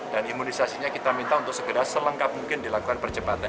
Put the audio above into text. dan imunisasinya kita minta untuk segera selengkap mungkin dilakukan percepatan